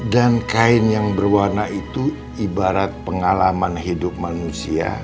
dan kain yang berwarna itu ibarat pengalaman hidup manusia